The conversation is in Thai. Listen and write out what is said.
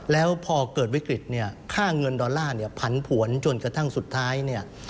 แล้วพอเกิดวิกฤติค่าเงินดอลลาร์ผันผวนจนกระทั่งสุดท้าย